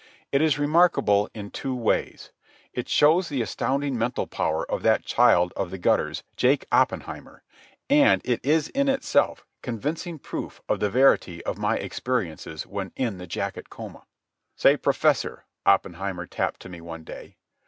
It is remarkable in two ways. It shows the astounding mental power of that child of the gutters, Jake Oppenheimer; and it is in itself convincing proof of the verity of my experiences when in the jacket coma. "Say, professor," Oppenheimer tapped to me one day.